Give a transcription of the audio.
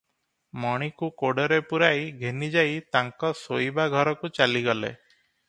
ମଣିକୁ କୋଡ଼ରେ ପୁରାଇ ଘେନିଯାଇ ତାଙ୍କ ଶୋଇବା ଘରକୁ ଚାଲିଗଲେ ।